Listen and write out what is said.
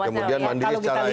kemudian mandiri secara ekonomi